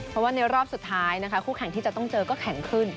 เพราะว่าในรอบสุดท้ายนะคะคู่แข่งที่จะต้องเจอก็แข็งขึ้น